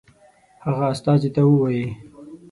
هغه استازي ته ووايي.